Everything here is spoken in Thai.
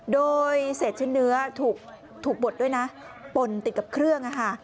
โดยเศษชิ้นเนื้อถูกบดด้วยนะปนติดกับเครื่อง